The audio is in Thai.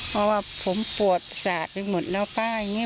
เพราะว่าผมปวดสาดไปหมดแล้วป้าอย่างนี้